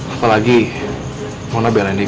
apalagi mona belain dego